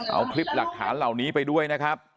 เอาคลิปหลักฐานเหล่านี้ไปด้วยนะครับ